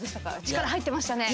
力入ってましたね。